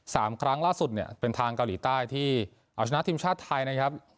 ครั้งล่าสุดเนี่ยเป็นทางเกาหลีใต้ที่เอาชนะทีมชาติไทยนะครับ